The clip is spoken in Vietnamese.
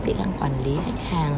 kỹ năng quản lý hạch hàng